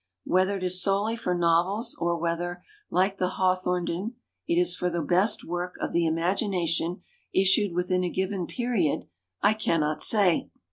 Whether it is solely for novels, or whether, like the Hawthorn den, it is for the best work of the im agination issued within a given period, I cannot say.